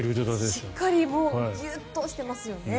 しっかりギュッとしてますよね。